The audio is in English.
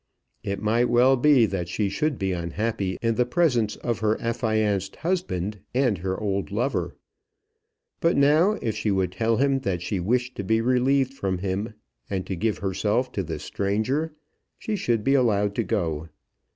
It might well be that she should be unhappy in the presence of her affianced husband and her old lover. But now if she would tell him that she wished to be relieved from him, and to give herself to this stranger, she should be allowed to go.